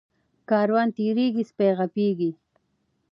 ـ کاروان تېريږي سپي غپيږي.